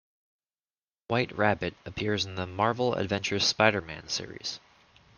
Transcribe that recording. White Rabbit appears in the "Marvel Adventures Spider-Man" series.